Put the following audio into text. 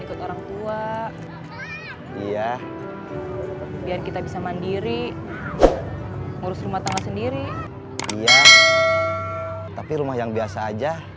ikut orang tua iya biar kita bisa mandiri ngurus rumah tangga sendiri iya tapi rumah yang biasa aja